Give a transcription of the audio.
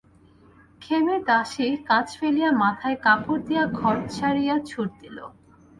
খেমি দাসি কাজ ফেলিয়া মাথায় কাপড় দিয়া ঘর ছাড়িয়া ছুট দিল।